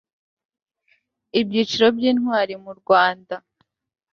ibyiciro by'intwari mu rwanda